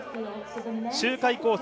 周回コース